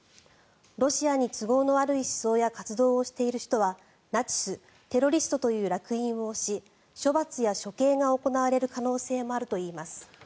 ロシアに都合の悪い思想や活動をしている人はナチス、テロリストというらく印を押し処罰や処刑が行われる可能性もあるといいます。